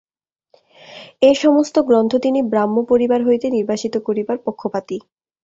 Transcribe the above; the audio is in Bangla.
এ-সমস্ত গ্রন্থ তিনি ব্রাহ্মপরিবার হইতে নির্বাসিত করিবার পক্ষপাতী।